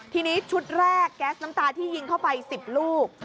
ทีนี้ชุดแรกแก๊สน้ำตาที่ยิงเข้าไป๑๐ลูก